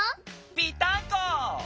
ぴったんこ。